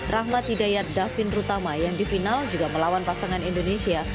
rahmat hidayat davin rutama yang di final juga melawan pasangan indonesia